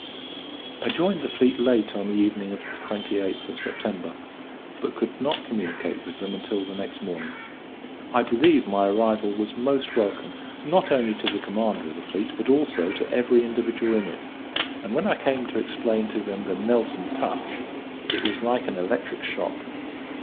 I joined the fleet late on the evening of the 28th of September, but could not communicate with them until the next morning. I believe, my arrival was most welcome; not only to the commander of the fleet, but also to every individual in it: and, when I came to explain to them the Nelson touch, it was like an electric shock.